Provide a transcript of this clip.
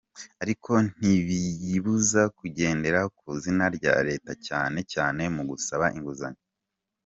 Ariko ntibiyibuza kujyendera ku izina rya Leta cyane cyane mu gusaba inguzanyo !